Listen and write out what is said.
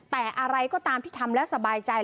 แต่อะไรก็ตามที่ทำแล้วสบายใจ